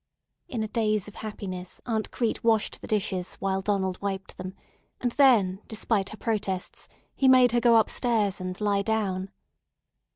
In a daze of happiness Aunt Crete washed the dishes while Donald wiped them, and then despite her protests he made her go up stairs and lie down.